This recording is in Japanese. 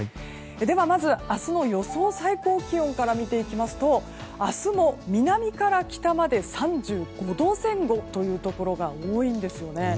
では、まず明日の予想最高気温から見ていきますと明日も南から北まで３５度前後というところが多いんですよね。